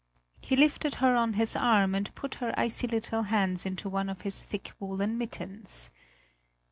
He lifted her on his arm and put her icy little hands into one of his thick woollen mittens.